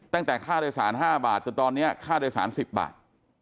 ตั้งแต่ค่าโดยสาร๕บาทจนตอนนี้ค่าโดยสาร๑๐บาท